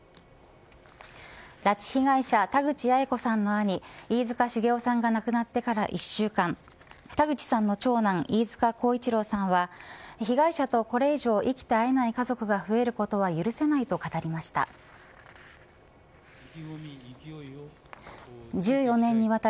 拉致被害者田口八重子さんの兄飯塚繁雄さんが亡くなってから１週間田口さんの長男飯塚耕一郎さんは被害者とこれ以上生きて会えない家族が増えることは許せないと語りました。